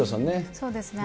そうですね。